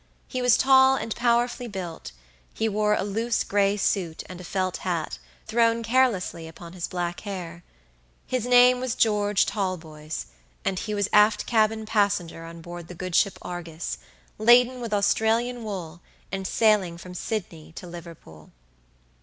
He was tall and powerfully built; he wore a loose gray suit and a felt hat, thrown carelessly upon his black hair. His name was George Talboys, and he was aft cabin passenger on board the good ship Argus, laden with Australian wool and sailing from Sydney to Liverpool.